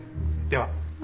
では。